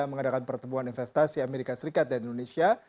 mengadakan pertemuan investasi amerika serikat dan indonesia